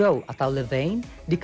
lama lebih baik